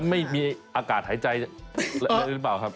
แล้วไม่มีอากาศหายใจหรือเปล่าครับ